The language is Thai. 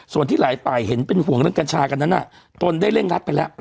ส่วนที่หลายฝ่ายเห็นเป็นห่วงเรื่องกัญชากันนั้นตนได้เร่งรัดไปแล้ว